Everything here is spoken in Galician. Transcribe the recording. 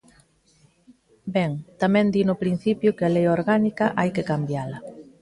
Ben, tamén di no principio que a lei orgánica hai que cambiala.